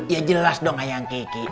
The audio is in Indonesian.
ya jelas dong layang kiki